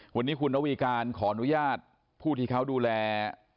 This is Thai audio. วันนี้คุณระวีการขออนุญาตผู้ที่เขาดูแล